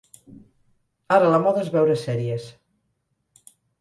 Ara la moda és veure sèries.